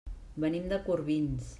Venim de Corbins.